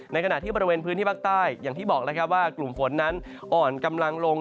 ในขณะที่บริเวณพื้นที่ภาคใต้อย่างที่บอกแล้วครับว่ากลุ่มฝนนั้นอ่อนกำลังลง